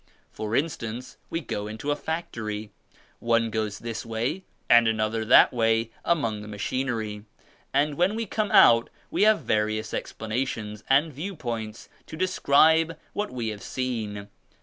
For instance we go into a factory. One goes this way and another that way among the machinery and when we come out we have vari ous explanations and viewpoints to describe what we have seen.